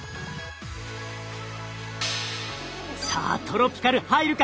さあトロピカル入るか？